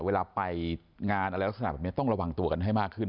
เวลาไปงานอะไรลักษณะแบบนี้ต้องระวังตัวกันให้มากขึ้น